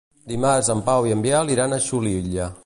Dimarts en Pau i en Biel iran a Xulilla.